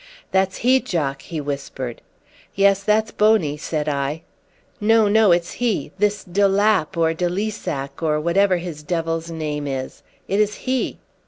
"That's he, Jock," he whispered. "Yes, that's Boney," said I. "No, no, it's he. This de Lapp or de Lissac, or whatever his devil's name is. It is he."